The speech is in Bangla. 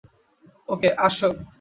ওকে, আসো।